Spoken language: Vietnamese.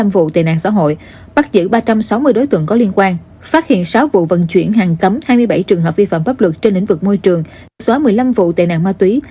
một mươi vụ tên nạn xã hội bắt giữ ba trăm sáu mươi đối tượng có liên quan phát hiện sáu vụ vận chuyển hàng cấm hai mươi bảy trường hợp vi phạm pháp luật trên lĩnh vực môi trường xóa một mươi năm vụ tệ nạn ma túy